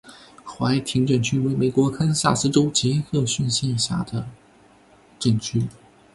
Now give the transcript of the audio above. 怀廷镇区为美国堪萨斯州杰克逊县辖下的镇区。